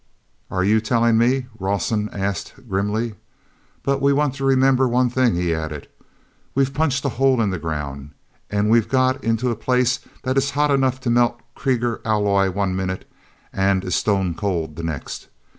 "Are you telling me?" Rawson asked grimly. "But we want to remember one thing," he added: "We've punched a hole in the ground, and we've got into a place that is hot enough to melt Krieger alloy one minute and is stone cold the next.